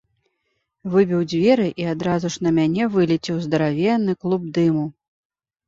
Выбіў дзверы, і адразу ж на мяне вылецеў здаравенны клуб дыму.